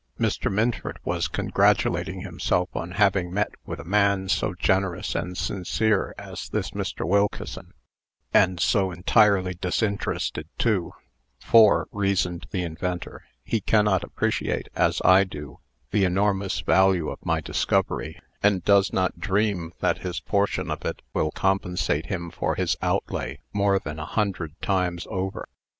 Mr. Minford was congratulating himself on having met with a man so generous and sincere as this Mr. Wilkeson, and so entirely disinterested, too: "For," reasoned the inventor, "he cannot appreciate, as I do, the enormous value of my discovery, and does not dream that his portion of it will compensate him for his outlay more than a hundred times over."